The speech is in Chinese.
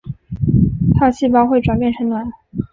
套细胞会转变成卵。